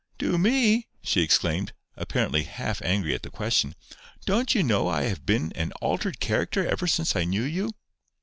"Do me!" she exclaimed, apparently half angry at the question. "Don't you know I have been an altered character ever since I knew you?"